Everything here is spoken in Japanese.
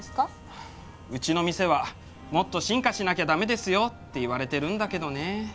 はあうちの店はもっと進化しなきゃ駄目ですよって言われてるんだけどね。